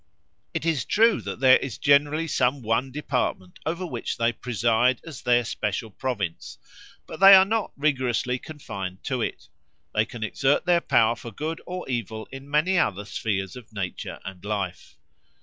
It is true that there is generally some one department over which they preside as their special province; but they are not rigorously confined to it; they can exert their power for good or evil in many other spheres of nature and life.